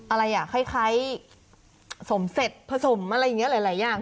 อะไรอ่ะคล้ายสมเสร็จผสมอะไรอย่างนี้หลายอย่าง